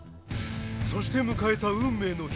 そして迎えた運命の日。